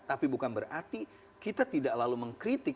tapi bukan berarti kita tidak lalu mengkritik